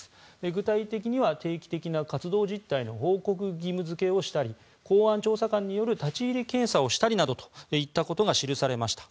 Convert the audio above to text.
具体的には、定期的な活動実態の報告義務付けをしたり公安調査官による立ち入り検査をしたりなどといったことが記されました。